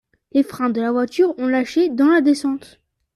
Les freins de la voiture ont lâché dans la descente.